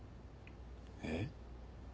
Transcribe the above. えっ？